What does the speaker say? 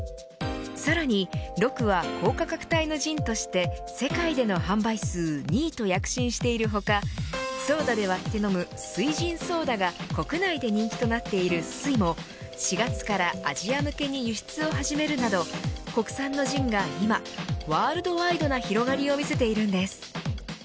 さらにＲＯＫＵは高価格帯のジンとして世界での販売数２位と躍進している他ソーダで割って飲む翠ジンソーダが国内で人気となっている翠も４月からアジア向けに輸出を始めるなど国産のジンが今ワールドワイドな広がりを見せているんです。